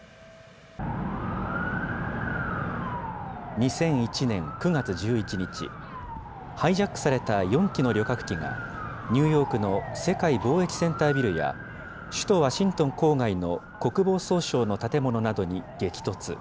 ２００１年９月１１日、ハイジャックされた４機の旅客機が、ニューヨークの世界貿易センタービルや、首都ワシントン郊外の国防総省の建物などに激突。